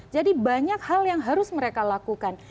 banyak hal yang harus mereka lakukan